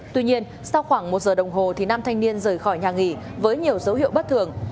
tuy nhiên sau khoảng một giờ đồng hồ nam thanh niên rời khỏi nhà nghỉ với nhiều dấu hiệu bất thường